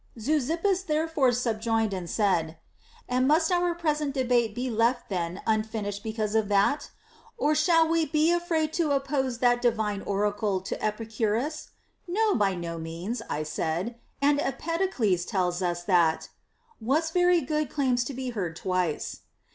Zeuxippus therefore subjoined and said : And must our present debate be left then unfinished be cause of that ? Or shall we be afraid to oppose that divine oracle to Epicurus \ No, by no means, I said ; and Empedocles tells us that What's very good claims to be heard twice.